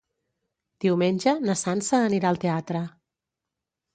Diumenge na Sança anirà al teatre.